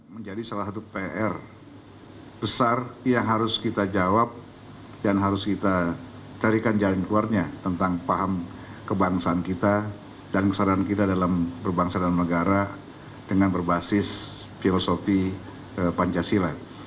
menjadi salah satu pr besar yang harus kita jawab dan harus kita carikan jalan keluarnya tentang paham kebangsaan kita dan saran kita dalam berbangsa dan negara dengan berbasis filosofi pancasila